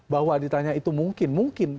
bahwa ditanya itu mungkin